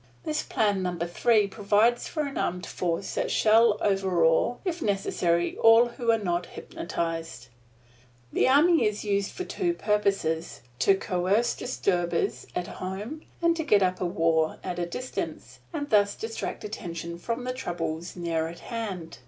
This Plan Number Three provides for an armed force that shall overawe, if necessary, all who are not hypnotized. The army is used for two purposes to coerce disturbers at home, and to get up a war at a distance, and thus distract attention from the troubles near at hand.